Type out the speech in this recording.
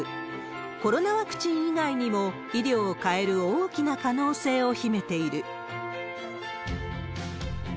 コロナワクチン以外にも、医療を変える大きな可能性を秘めている。